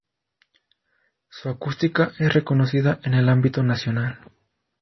Su acústica es reconocida en el ámbito nacional.